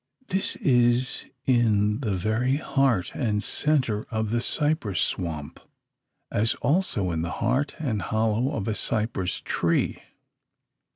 This is in the very heart and centre of the cypress swamp, as also in the heart and hollow of a cypress tree.